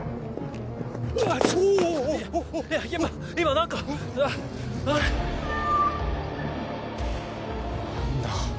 何だ。